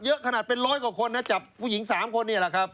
เยอะขนาดเป็นร้อยกว่าคนนะจับผู้หญิง๓คนนี่แหละครับ